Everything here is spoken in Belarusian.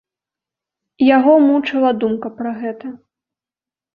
Яго мучыла думка пра гэта.